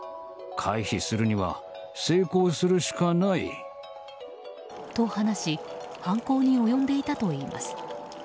回避するには性交するしかない。と、話し犯行に及んでいたといいます。